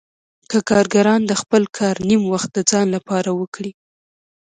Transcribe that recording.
که کارګران د خپل کار نیم وخت د ځان لپاره وکړي